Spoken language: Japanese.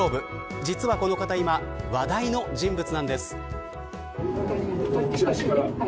実はこの方、今話題の人物なんです。